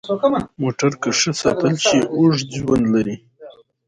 موټر که ښه ساتل شي، اوږد ژوند لري.